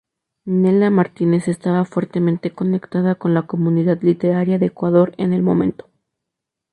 Nela Martínez estaba fuertemente conectada con la comunidad literaria de Ecuador en el momento.